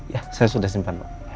ya saya sudah simpan pak